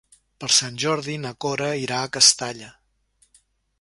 Per Sant Jordi na Cora irà a Castalla.